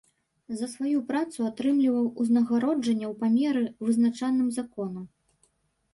За сваю працу атрымліваў узнагароджанне ў памеры, вызначаным законам.